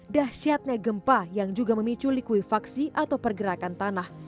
dahsyatnya gempa yang juga memicu likuifaksi atau pergerakan tanah